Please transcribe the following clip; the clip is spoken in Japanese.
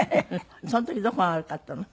その時どこが悪かったの？